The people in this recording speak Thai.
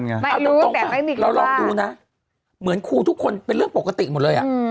เอาตรงเราลองดูนะเหมือนครูทุกคนเป็นเรื่องปกติหมดเลย